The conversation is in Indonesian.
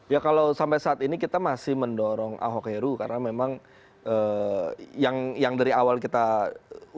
ya kalau sampai saat ini kita masih mendorong ahok heru karena memang yang dari awal kita ucapkan